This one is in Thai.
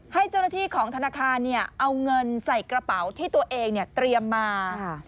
ให้เจ้าหน้าที่ของธนาคารเอาเงินใส่กระเป๋าที่ตัวเองเตรียมมา